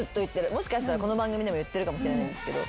もしかしたらこの番組でも言ってるかもしれないんですけど。